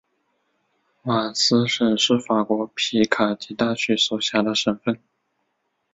瓦兹省是法国皮卡迪大区所辖的省份。